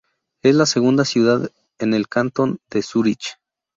Es la segunda ciudad en el cantón de Zúrich.